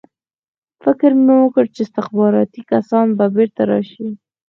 فکر مې وکړ چې استخباراتي کسان به بېرته راشي